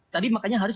tadi makanya haris